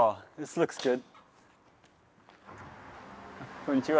こんにちは。